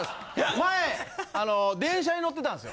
前電車に乗ってたんですよ。